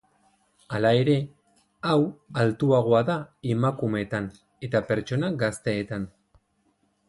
Hala ere hau altuagoa da emakumeetan eta pertsona gazteetan.